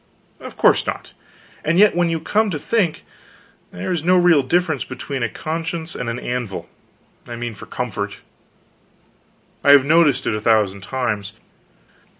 Of course not. And yet when you come to think, there is no real difference between a conscience and an anvil I mean for comfort. I have noticed it a thousand times.